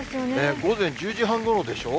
午前１０時半ごろでしょ。